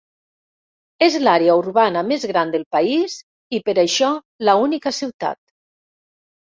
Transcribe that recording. És l"àrea urbana més gran del país i, per això, la única ciutat.